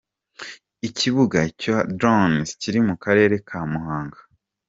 Ikibuga cy’izo drones kiri mu Karere ka Muhanga.